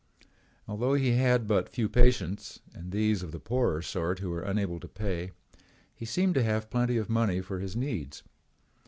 Although he had but few patients and these of the poorer sort who were unable to pay, he seemed to have plenty of money for his needs.